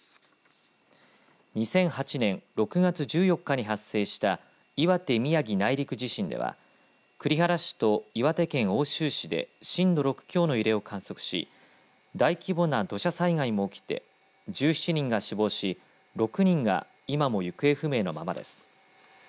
２００８年６月１４日に発生した岩手・宮城内陸地震では栗原市と岩手県奥州市で震度６強の揺れを観測し大規模な土砂災害も起きて１７人が死亡し６人が今も行方不明のままです。